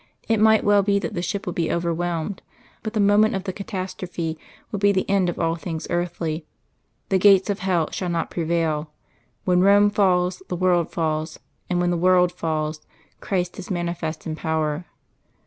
It might well be that the ship would be overwhelmed, but the moment of the catastrophe would be the end of all things earthly. The gates of hell shall not prevail: when Rome falls, the world falls; and when the world falls, Christ is manifest in power.